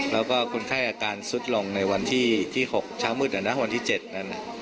แล้วก็คนไข้อาการสุดลงในวันที่๖เช้ามืดวันที่๗นั้น